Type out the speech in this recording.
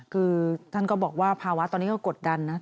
คือท่านก็บอกว่าภาวะตอนนี้ก็กดดันนะ